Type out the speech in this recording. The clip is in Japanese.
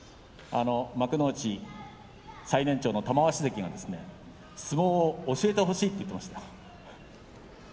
幕内最年長の玉鷲関が相撲を教えてほしいと言っていました。